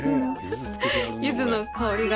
ゆずの香りが。